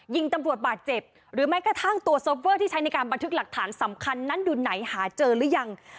ยิงตำรวจบาดเจ็บหรือแม้กระทั่งตัวเซิร์ฟเวอร์ที่ใช้ในการบันทึกหลักฐานสำคัญนั้นอยู่ไหนหาเจอหรือยัง